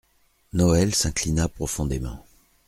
Noël s'inclina profondément.